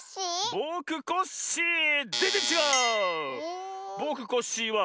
「ぼくコッシー」は。